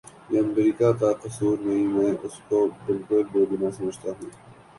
یہ امریکہ کا کسور نہیں میں اس کو بالکل بے گناہ سمجھتا ہوں